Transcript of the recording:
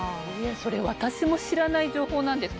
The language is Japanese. それ私も知らない情報なんですけど。